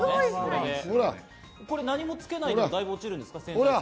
何もつけないとだいぶ落ちるんですか？